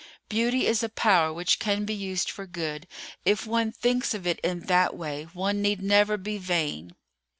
Beauty is a power which can be used for good. If one thinks of it in that way one need never be vain."